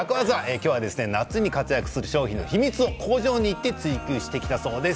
今日は夏に活躍する商品の秘密を工場に行って追求してきたそうです。